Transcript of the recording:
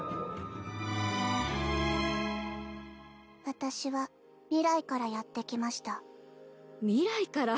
私は未来からやってきまし未来から。